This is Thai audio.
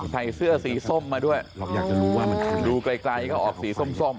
ใส่เสื้อสีส้มมาด้วยดูไกลก็ออกสีส้ม